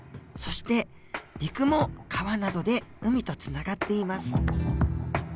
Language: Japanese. そして陸も川などで海とつながっています。